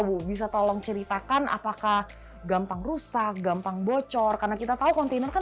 bu bisa tolong ceritakan apakah gampang rusak gampang bocor karena kita tahu kontainer kan